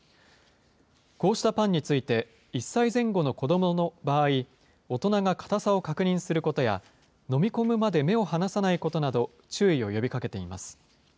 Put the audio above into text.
こうしたパンについて、１歳前後の子どもの場合、大人が固さを確認することや、飲み込むまで目を離さないことなど、注意を呼びかけています。